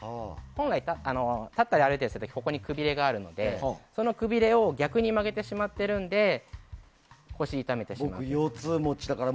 本来、立ったり歩いたりする時ここにくびれがあるのでこのくびれを逆に曲げてしまっているので腰を痛めているんです。